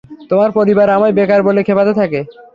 তোমার পরিবার আমায় বেকার বলে খেপাতে থাকে?